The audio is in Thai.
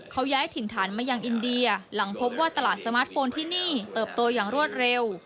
เขาย้ายถิ่นฐานมายังอินเดียหลังพบว่าตลาดสมาร์ทโฟนที่นี่เติบโตอย่างรวดเร็ว